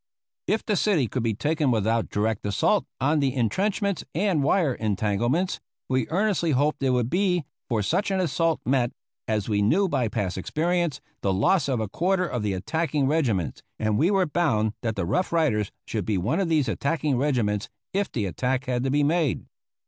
If the city could be taken without direct assault on the intrenchments and wire entanglements, we earnestly hoped it would be, for such an assault meant, as we knew by past experience, the loss of a quarter of the attacking regiments (and we were bound that the Rough Riders should be one of these attacking regiments, if the attack had to be made).